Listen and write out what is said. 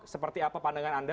seperti apa pandangan anda